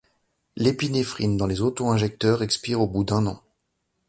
L'épinéphrine dans les auto-injecteurs expire au bout d'un an.